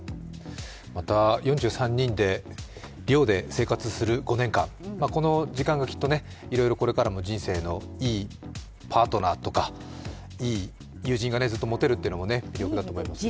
また４３人で、寮で生活する５年間、この時間がきっとこれからも人生のいいパートナーとかいい友人がずっと持てるというのも魅力だと思いますね。